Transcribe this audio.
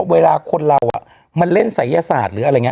เวลาคนเรามาเล่นศัยยศาสตร์